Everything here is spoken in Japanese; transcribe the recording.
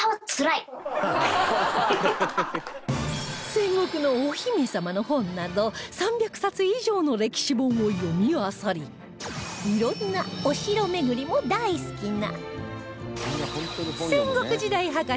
戦国のお姫様の本など３００冊以上の歴史本を読みあさり色んなお城巡りも大好きな